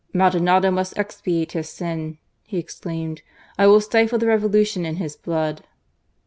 *• Maldonado must expiate his sin," he exclaimed. " I will stifle the Revolution in his blood.